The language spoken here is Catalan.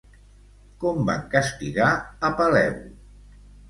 Com van castigar a Peleu?